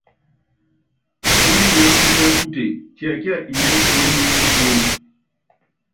Púmíŋɛlɛ kutɛ́ kutek, tiɛkíɛ inyiɛ kuéli wu ópuólí?